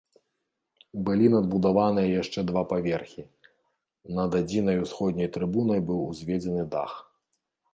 Былі надбудаваны яшчэ два паверхі, над адзінай усходняй трыбунай быў узведзены дах.